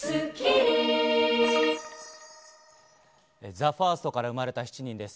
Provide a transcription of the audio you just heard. ＴＨＥＦＩＲＳＴから生まれた７人です。